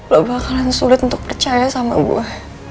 lo bakalan sulit untuk percaya sama buah